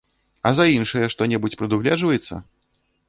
А за іншыя што-небудзь прадугледжваецца?